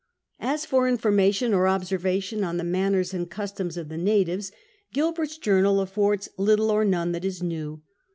As for information or observation on the manners and customs of the natives, (iilbei*t's journal affords little or none that is new.